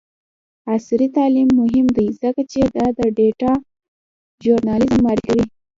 عصري تعلیم مهم دی ځکه چې د ډاټا ژورنالیزم معرفي کوي.